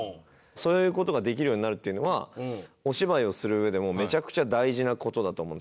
そういう事ができるようになるっていうのはお芝居をするうえでもめちゃくちゃ大事な事だと思うんですよ。